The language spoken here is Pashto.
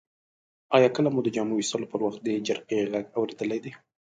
آیا کله مو د جامو ویستلو پر وخت د جرقې غږ اوریدلی دی؟